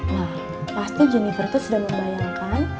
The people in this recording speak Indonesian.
nah pasti juniper itu sudah membayangkan